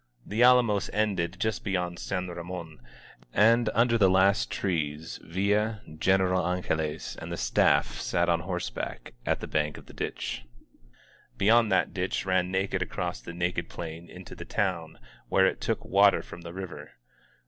*' The alamos ended just beyond San Ramon, and un der the last trees Villa, General Angeles, and the staff sat on horseback at the bank of the ditch. Beyond that the ditch ran naked across the naked plain into the town, where it took water from the river.